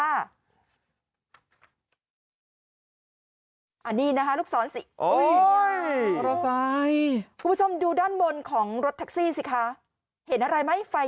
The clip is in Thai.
อันนี้นะฮะลูกสอนสิด้านบนของรถแท็กซี่สิคะเห็นอะไรไหมไฟ